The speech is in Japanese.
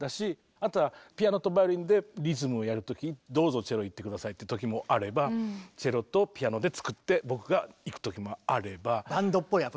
あとはピアノとバイオリンでリズムをやる時どうぞチェロいって下さいって時もあればチェロとピアノで作って僕がいく時もあれば。